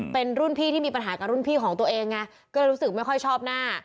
เป็นรุ่นพี่ที่มีปัญหากับรุ่นพี่ของตัวเองไงก็เลยรู้สึกไม่ค่อยชอบหน้า